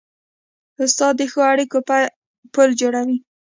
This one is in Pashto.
استاد د ښو اړیکو پل جوړوي.